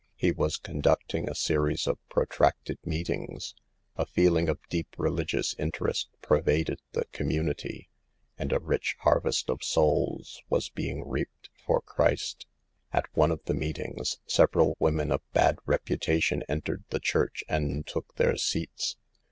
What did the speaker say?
He was conducting a series of protracted meet ings. A feeling of deep religious interest per vaded the community, and a rich harvest of 252 SAVE THE GIBLS, souls was being reaped for Christ. At one of the meetings, several women of bad reputation entered the church and took their seats.